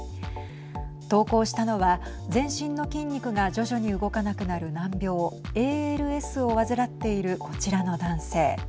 投稿したのは全身の筋肉が徐々に動かなくなる難病ＡＬＳを患っているこちらの男性。